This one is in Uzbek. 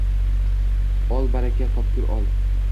Ol, baraka topkur, ol